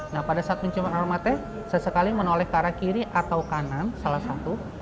nah pada saat mencium aromanya saya sekali menoleh ke arah kiri atau kanan salah satu